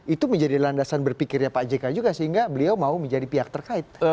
itu menjadi landasan berpikirnya pak jk juga sehingga beliau mau menjadi pihak terkait